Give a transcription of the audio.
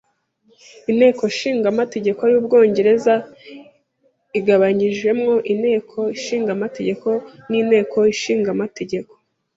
Inteko ishinga amategeko y’Ubwongereza igabanyijemo Inteko Ishinga Amategeko n’Inteko ishinga amategeko.